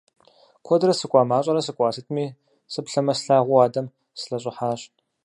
Куэдрэ сыкӀуа, мащӀэрэ сыкӀуа, сытми, сыплъэмэ слъагъуу адэм сылъэщӀыхьащ.